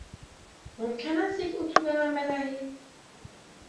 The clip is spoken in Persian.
ممکن است یک اتو به من بدهید؟